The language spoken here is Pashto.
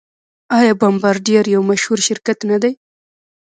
آیا بمبارډیر یو مشهور شرکت نه دی؟